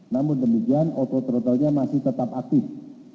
namun demikian auto throttle nya masih tetap aktif